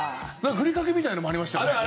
ふりかけみたいなのもありましたよね？